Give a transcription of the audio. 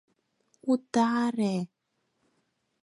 Утаре!